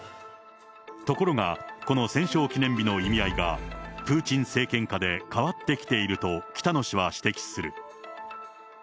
ところが、この戦勝記念日の意味合いが、プーチン政権下で変わってきていると北野氏は指摘する。